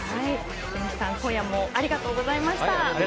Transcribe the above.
福西さん、今夜もありがとうございました。